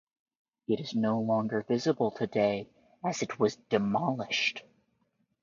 It is no longer visible today as it was demolished.